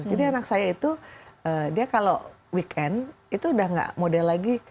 jadi anak saya itu dia kalau weekend itu udah nggak model lagi